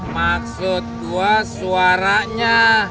maksud gue suaranya